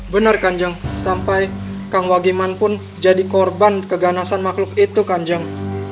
benar kanjeng sampai kang wagiman pun jadi korban keganasan makhluk itu kanjeng